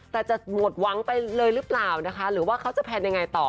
แต่จะหมดหวังไปเลยหรือเปล่านะคะหรือว่าเขาจะแพลนยังไงต่อ